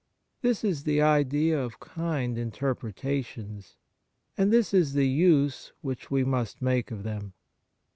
This is the idea of kind interpretations, and this is the use which we must make of them.